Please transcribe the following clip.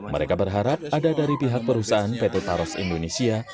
mereka berharap ada dari pihak perusahaan petotaros indonesia